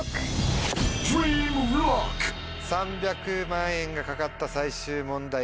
３００万円が懸かった最終問題